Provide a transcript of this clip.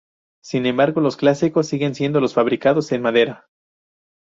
Sin embargo, los clásicos siguen siendo los fabricados en madera.